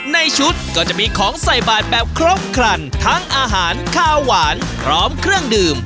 ในชุดก็จะมีของใส่บาทแบบครบครันทั้งอาหารข้าวหวานพร้อมเครื่องดื่ม